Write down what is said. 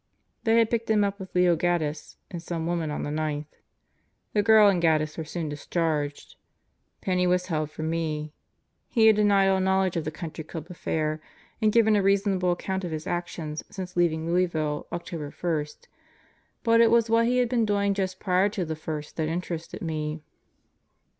They had picked him up with Leo Gaddis and some woman on the ninth. The girl and Gaddis were soon discharged. Penney was held for me. He had denied all knowledge of the Country Club affair and given a reasonable account of his actions since leaving Louis ville, October 1. But it was what he had been doing just prior to the first that interested me."